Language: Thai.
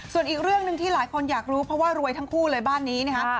ส่วนอีกเรื่องหนึ่งที่หลายคนอยากรู้เพราะว่ารวยทั้งคู่เลยบ้านนี้นะครับ